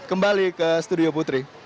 kembali ke studio putri